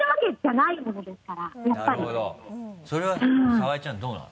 なるほどそれは澤井ちゃんどうなの？